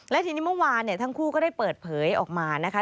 และทีนี้เมื่อวานทั้งคู่ก็ได้เปิดเผยออกมานะคะ